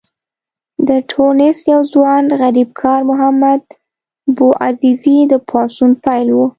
د ټونس یو ځوان غریبکار محمد بوعزیزي د پاڅون پیل و.